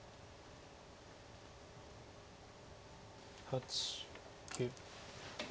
８９。